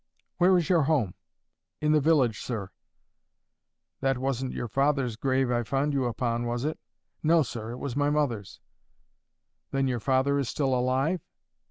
"Where is your home?" "In the village, sir." "That wasn't your father's grave I found you upon, was it?" "No, sir. It was my mother's." "Then your father is still alive?"